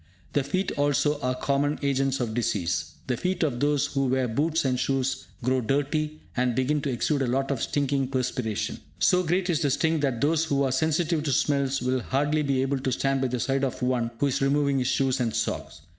The feet also are common agents of disease. The feet of those who wear boots and shoes grow dirty, and begin to exude a lot of stinking perspiration. So great is the stink that those who are sensitive to smells will hardly be able to stand by the side of one who is removing his shoes and socks.